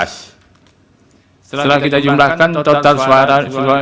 setelah kita jumlahkan total suara